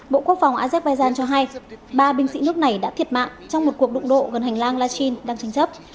bộ quốc phòng azerbaijan cho hay ba binh sĩ nước này đã thiệt mạng trong một cuộc đụng độ gần hành lang latin đang tranh chấp